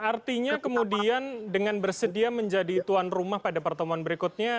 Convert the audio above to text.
artinya kemudian dengan bersedia menjadi tuan rumah pada pertemuan berikutnya